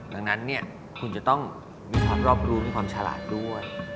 ดังนั้นคุณจะต้องมีความรอบรู้มีความฉลาดด้วย